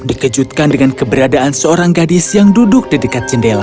dikejutkan dengan keberadaan seorang gadis yang duduk di dekat jendela